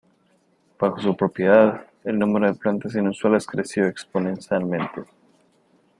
Bajo su propiedad, el número de plantas inusuales creció exponencialmente.